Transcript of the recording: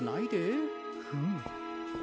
フム。